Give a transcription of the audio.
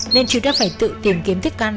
nên chứ đã phải tự tìm kiếm thức ăn